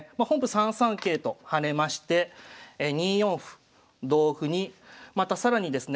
３三桂と跳ねまして２四歩同歩にまた更にですね